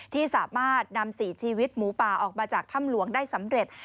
ที่สามารถนำ๔ชีวิตหมูป่าออกมาจากถ้ำหลวงได้สำเร็จ